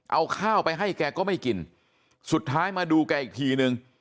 เอาข้าวไปให้แกก็ไม่กินสุดท้ายมาดูแกอีกทีนึง